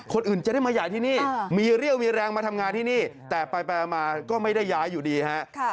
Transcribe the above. คนอื่นจะได้มาย้ายที่นี่มีเรี่ยวมีแรงมาทำงานที่นี่แต่ไปมาก็ไม่ได้ย้ายอยู่ดีฮะ